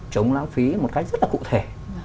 chống lãng phí một cách rất là cụ thể